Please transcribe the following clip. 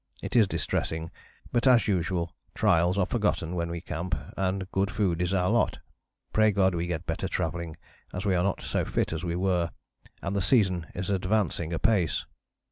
It is distressing, but as usual trials are forgotten when we camp, and good food is our lot. Pray God we get better travelling as we are not so fit as we were, and the season is advancing apace."